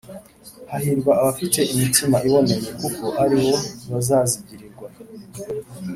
Hahirwa abafite imitima iboneye kuko aribo bazazigirirwa